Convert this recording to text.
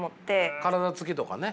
体つきとかね。